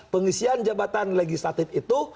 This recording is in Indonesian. pengisian jabatan legislatif itu